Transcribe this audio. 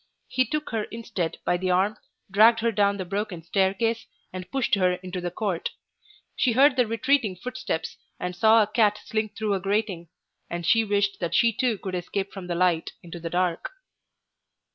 He took her instead by the arm, dragged her down the broken staircase, and pushed her into the court. She heard the retreating footsteps, and saw a cat slink through a grating, and she wished that she too could escape from the light into the dark.